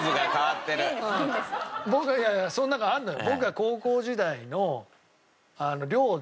僕がいやいやその中あるのよ。